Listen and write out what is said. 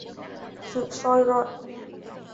sự soi rọi